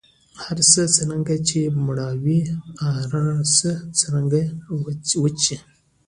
هرڅه څرنګه سي مړاوي هر څه څرنګه وچیږي